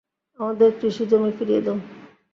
আমাদের কৃষিজমি ফিরিয়ে দাও।